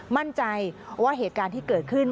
มั่นใจว่าเหตุการณ์ที่เกิดขึ้น